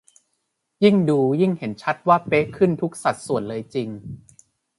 ยิ่งดูยิ่งเห็นชัดว่าเป๊ะขึ้นทุกสัดส่วนเลยจริง